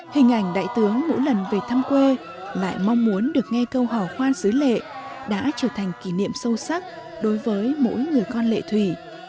hình ảnh đại tướng mỗi lần về thăm quê lại mong muốn được nghe câu hò khoan xứ lệ đã trở thành kỷ niệm sâu sắc đối với mỗi người con lệ thủy